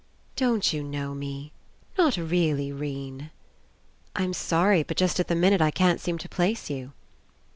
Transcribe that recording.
"Don't .you know me? Not really, 'Rene?" "I'm sorry, but just at the minute I can't seem to place you."